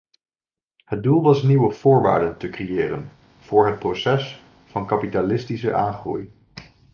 Het doel was nieuwe voorwaarden te creëren voor het proces van kapitalistische aangroei.